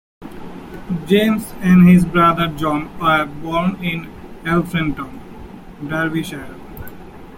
James and his brother John were born in Alfreton, Derbyshire.